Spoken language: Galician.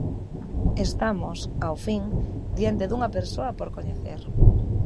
Estamos, ao fin, diante dunha persoa por coñecer.